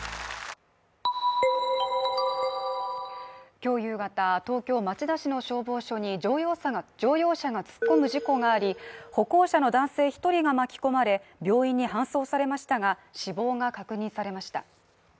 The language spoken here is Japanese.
今日夕方、東京・町田市の消防署に乗用車が突っ込む事故があり、歩行者の男性１人が巻き込まれ、病院に搬送されましたが死亡が確認されました。